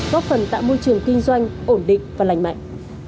góp phần tạo môi trường kinh doanh ổn định và lành mạnh